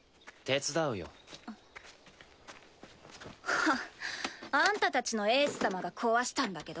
はっ。あんたたちのエース様が壊したんだけど。